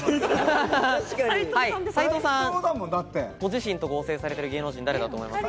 斉藤さん、ご自身と合成されている芸能人、誰だと思いますか？